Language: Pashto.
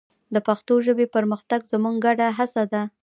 د پښتو ژبې پرمختګ زموږ ګډه هڅه ده.